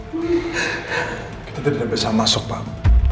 kita tidak bisa masuk pak